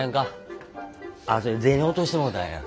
あっそや銭落としてもうたんや。